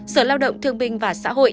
sở lao động thương bình và xã hội